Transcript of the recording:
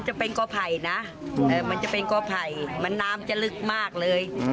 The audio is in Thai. จะเป็นกอไผ่นะมันจะเป็นกอไผ่มันน้ำจะลึกมากเลย